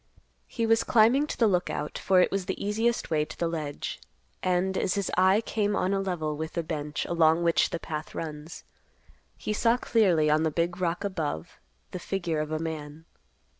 He was climbing to the Lookout, for it was the easiest way to the ledge, and, as his eye came on a level with the bench along which the path runs, he saw clearly on the big rock above the figure of a man.